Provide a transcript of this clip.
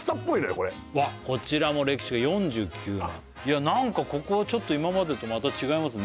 これこちらも歴史が４９年なんかここはちょっと今までとまた違いますね